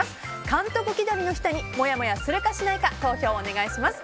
監督気取りな人にもやもやするかしないか投票をお願いします。